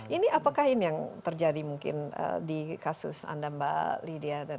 ini apakah ini yang terjadi mungkin di kasus anda mbak lydia